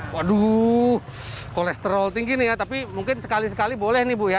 waduh kolesterol tinggi nih ya tapi mungkin sekali sekali boleh nih bu ya